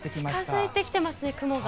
近づいてきてますね、雲が。